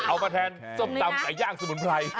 เอาประแทนซบตำไก่ย่างสมุนไพร